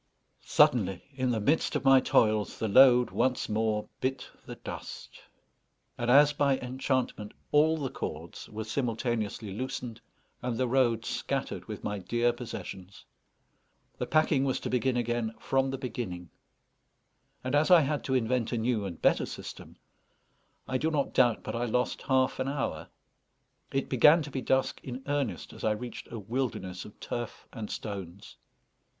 Suddenly, in the midst of my toils, the load once more bit the dust, and, as by enchantment, all the cords were simultaneously loosened, and the road scattered with my dear possessions. The packing was to begin again from the beginning; and as I had to invent a new and better system, I do not doubt but I lost half an hour. It began to be dusk in earnest as I reached a wilderness of turf and stones.